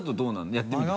やってみて。